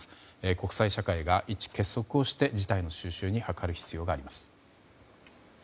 国際社会が結束をして事態の収拾を図る必要があります。